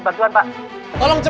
gak ada sinyal lagi